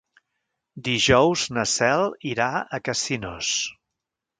Dijous na Cel irà a Casinos.